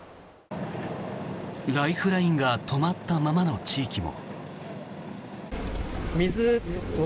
ライフラインが止まったままの地域も。